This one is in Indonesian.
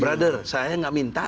brother saya tidak minta